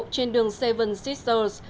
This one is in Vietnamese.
trên đường seven sisters